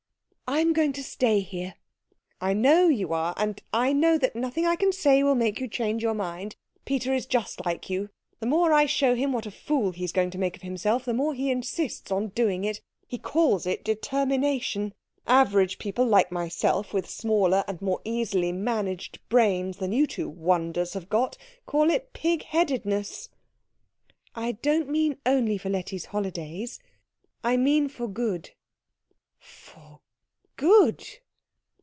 "I am going to stay here." "I know you are, and I know that nothing I can say will make you change your mind. Peter is just like you the more I show him what a fool he's going to make of himself the more he insists on doing it. He calls it determination. Average people like myself, with smaller and more easily managed brains than you two wonders have got, call it pigheadedness." "I don't mean only for Letty's holidays; I mean for good." "For good?"